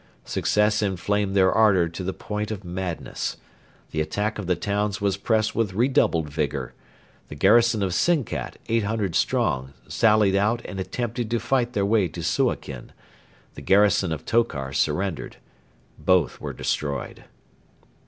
Success inflamed their ardour to the point of madness. The attack of the towns was pressed with redoubled vigour. The garrison of Sinkat, 800 strong, sallied out and attempted to fight their way to Suakin. The garrison of Tokar surrendered. Both were destroyed.